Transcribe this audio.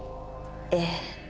ええ。